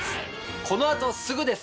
この後すぐです。